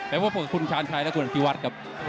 พบกับคุณชาญชัยและคุณอภิวัตรครับ